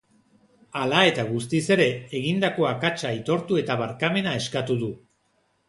Hala eta guztiz ere, egindako akatsa aitortu eta barkamena eskatu du.